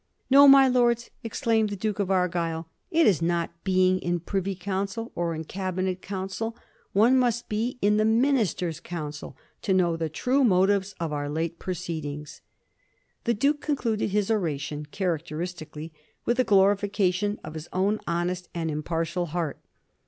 No, my Lords," exclaimed the Duke of Argyle, "it is not being in Privy Council or in Cabinet Council ; one must be in the Minister's counsel to know the true motives of our late proceedings." The duke concluded his oration, characteristically, with a glorification of his own honest and impartial heart.